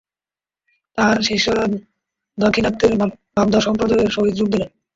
তাঁহার শিষ্যেরা দাক্ষিণাত্যের মাধ্ব-সম্প্রদায়ের সহিত যোগ দিলেন।